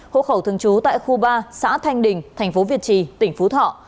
hộ khẩu thường trú tại khu ba xã thanh đình thành phố việt trì tỉnh phú thọ